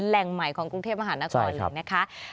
แหล่งใหม่ของกรุงเทพอาหารน่ะก่อนเลยนะคะใช่ครับ